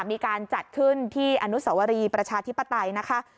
มีการจัดขึ้นที่อนุสวรีประชาธิปไตยนะคะ